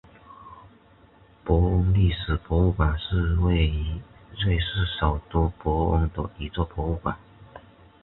伯恩历史博物馆是位于瑞士首都伯恩的一座博物馆。